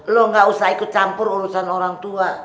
lo gak usah ikut campur urusan orang tua